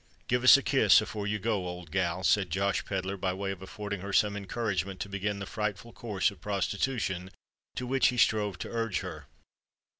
"Give us a kiss afore you go, old gal," said Josh Pedler, by way of affording her some encouragement to begin the frightful course of prostitution to which he strove to urge her.